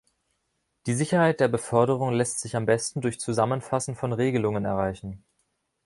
Die Sicherheit der Beförderung lässt sich am besten durch Zusammenfassen von Regelungen erreichen.